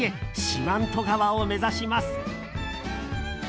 四万十川を目指します。